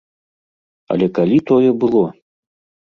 Але калі тое было?